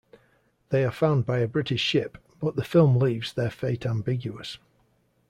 They are found by a British ship, but the film leaves their fate ambiguous.